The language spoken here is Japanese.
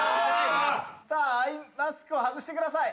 アイマスクを外してください。